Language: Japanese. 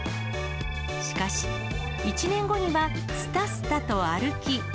しかし、１年後にはすたすたと歩き。